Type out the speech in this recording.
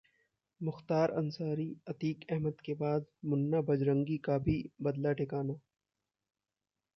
मुख्तार अंसारी, अतीक अहमद के बाद मुन्ना बजरंगी का भी बदला ठिकाना